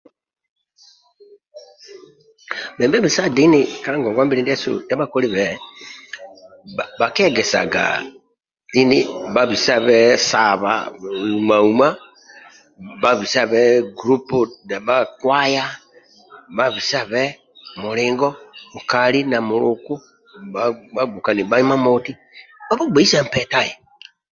Bhebembezi sa dini ka ngongwa mbili ndia bhakolibe bhakiegesaga dini bhabisabe saba uma uma bhabisabe gulupu ndia bha kwaya bhabisabe mulingo nkali na bhagbokiliani bhabho imamoti bhabhugbeisa mpetae